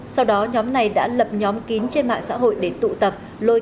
sau đó nhóm này đã lập nhóm kín trên mạng xã hội để tụ tập